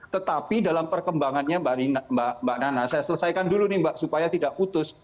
tetapi dalam perkembangannya mbak nana saya selesaikan dulu nih mbak supaya tidak putus